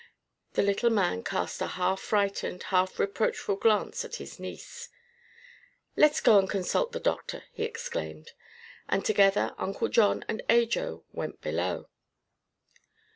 The little man cast a half frightened, half reproachful glance at his niece. "Let's go and consult the doctor," he exclaimed, and together Uncle John and Ajo went below.